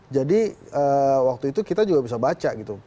jadi waktu itu kita juga bisa baca gitu